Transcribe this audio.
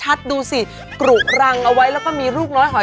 หอยสังนะงงหอยของพี่ก็อยู่ได้เลย